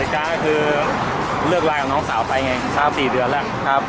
เด็กจ้างก็คือเลือกรายกับน้องสาวไปไงสามสี่เดือนแล้วครับ